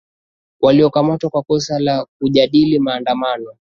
waliokamatwa kwa kosa la kujadili maandamano